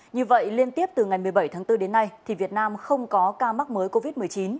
như vậy liên tiếp từ ngày một mươi bảy tháng bốn đến nay thì việt nam không có ca mắc mới covid một mươi chín